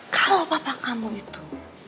kalau papa kamu itu